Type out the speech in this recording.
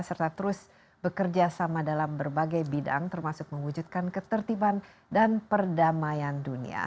serta terus bekerjasama dalam berbagai bidang termasuk mengwujudkan ketertiban dan perdamaian dunia